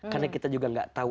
karena kita juga nggak tahu